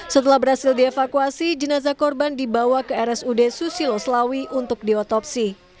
setelah berhasil dievakuasi jenazah korban dibawa ke rsud susilo selawi untuk diotopsi